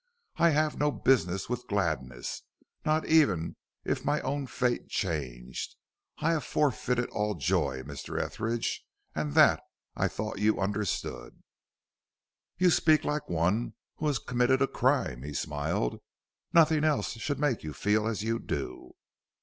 "I have no business with gladness, not even if my own fate changed. I have forfeited all joy, Mr. Etheridge; and that I thought you understood." "You speak like one who has committed a crime," he smiled; "nothing else should make you feel as you do."